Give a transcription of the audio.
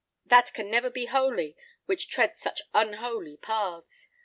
That can never be holy which treads such unholy paths.